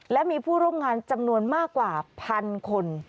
และมีผู้โรงงานจำนวนมากกว่า๑๐๐๐คน